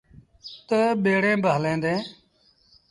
تا ٻيڙيٚن با هليݩ ديٚݩ۔